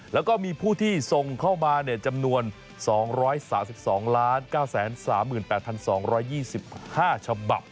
แล้วก็มีผู้ที่ส่งเข้ามาจำนวน๒๓๒๙๓๘๒๒๕ฉบับ